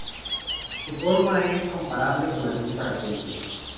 Su forma es comparable con la de un parapente.